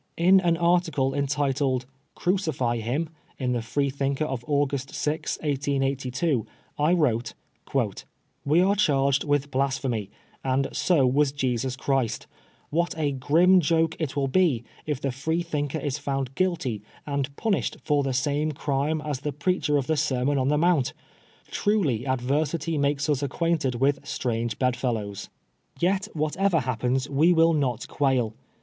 In an MK. BBADLAUGH IKOLUDED. 39 article entitled " Crucify Him 1 " in the Freethinker of August 6, 1882, 1 wrote : "We are charged with blasphemy, and so was Jesus Christ What a grim joke it will be if the FreetMnher is found guilty and punished for the same crime as the preacher of the Sermon on the Mount ! Truly adversity makes us acquainted with strange bedfellows. " Yet, whatever happens, we will not quail.